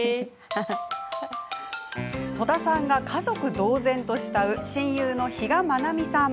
戸田さんが家族同然と慕う親友の比嘉愛未さん。